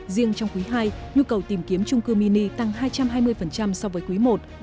riêng trong quý ii nhu cầu tìm kiếm trung cư mini tăng hai trăm hai mươi so với quý i